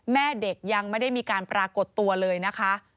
แม่เด็กยังไม่ได้มีการปรากฏตัวเลยนะคะ